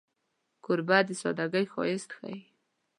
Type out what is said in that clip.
کوربه د سادګۍ ښایست ښيي.